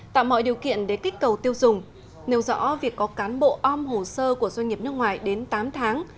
tạo mọi điều kiện để kích cầu tiêu dùng nêu rõ việc có cán bộ ôm hồ sơ của doanh nghiệp nước ngoài đến tám tháng